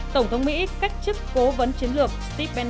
tổng thống mỹ cách chức cố vấn chiến lược steve bannon